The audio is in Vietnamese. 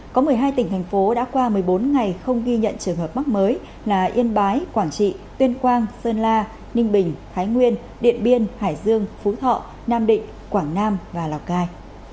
có một mươi hai tỉnh thành phố đã qua một mươi bốn ngày không ghi nhận trường hợp mắc mới là yên bái quảng trị tuyên quang sơn la ninh bình thái nguyên điện biên hải dương phú thọ nam định quảng nam và lào cai